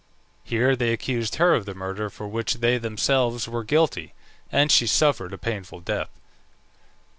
Here they accused her of the murder of which they themselves were guilty, and she suffered a painful death.